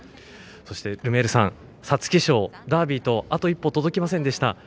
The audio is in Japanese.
ルメールさん、皐月賞ダービーとあと一歩、届きませんでした。